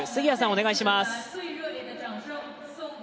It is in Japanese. お願いします。